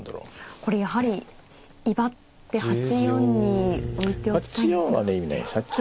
これやはり威張って８四に置いておきたいですか。